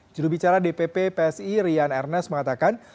jurubicara dpp psi rian ernest mengatakan